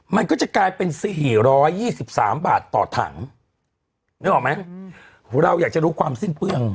มันก็จะกลายเป็น๔๒๓บาทต่อถังนึกออกไหมเราอยากจะรู้ความสิ้นเปลือง